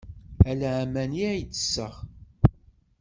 Ala aman ay ttesseɣ.